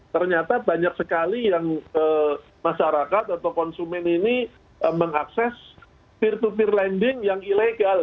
ternyata banyak sekali yang masyarakat atau konsumen ini mengakses peer to peer lending yang ilegal